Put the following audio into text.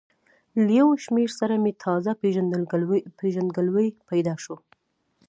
له یو شمېر سره مې تازه پېژندګلوي پیدا شوه.